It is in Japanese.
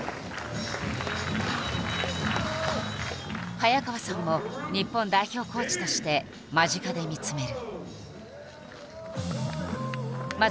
早川さんも日本代表コーチとして間近で見つめる。